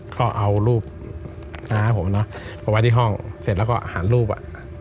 ก็เอารูปน้าผมเนอะมาไว้ที่ห้องเสร็จแล้วก็หันรูปอ่ะ